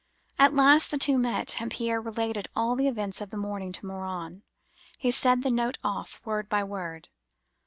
At last the two met and Pierre related all the events of the morning to Morin. He said the note off word by word.